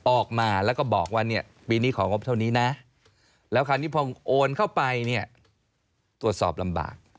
ออกมาแล้วก็บอกว่าเนี่ยปีนี้ของงบเท่านี้นะแล้วคราวนี้พอโอนเข้าไปเนี่ยตรวจสอบลำบาก